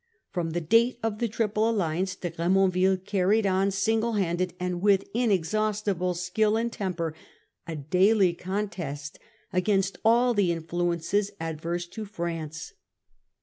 ■ From the date of the Triple Alliance De Gremonville carried on single handed, and with inexhaustible skill and temper, a daily contest against all the influences adverse to France.